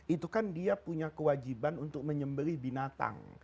itu kan dia punya kewajiban untuk menyembeli binatang